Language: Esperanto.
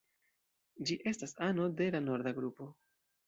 Ĝi estas ano de la norda grupo.